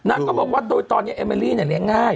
นางก็บอกว่าโดยตอนนี้เอเมรี่เนี่ยเลี้ยงง่าย